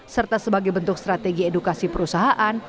serta sebagai bentuk strategi edukasi perusahaan